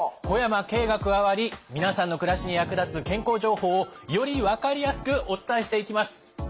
小山径が加わり皆さんの暮らしに役立つ健康情報をより分かりやすくお伝えしていきます。